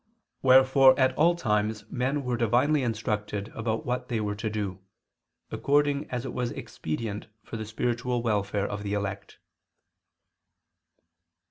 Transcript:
Wherefore at all times men were divinely instructed about what they were to do, according as it was expedient for the spiritual welfare of the elect.